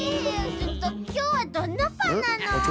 きょうはどんなパンなの？